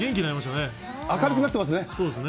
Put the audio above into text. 明るくなってますね。